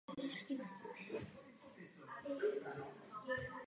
Všichni zástupci pocházejí z východní Asie.